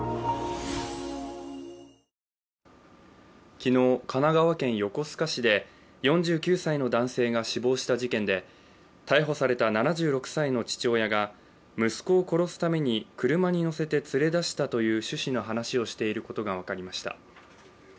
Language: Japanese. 昨日、神奈川県横須賀市で４９歳の男性が死亡した事件で、逮捕された７６歳の父親が息子を殺すために車に乗せて連れ出したという趣旨の話をしていることが分かりました。